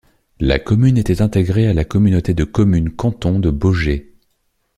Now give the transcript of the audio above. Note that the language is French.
La commune était intégrée à la communauté de communes canton de Baugé.